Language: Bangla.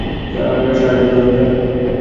স্যার, আপনার সাহায্য দরকার।